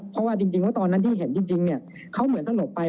เพราะว่าจริงแล้วตอนนั้นที่เห็นจริงเขาเหมือนสลบไป